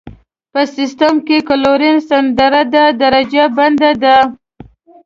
په سیسټم کې کلوین ستندرده درجه بندي ده.